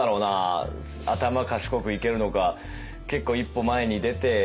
頭賢くいけるのか結構一歩前に出て。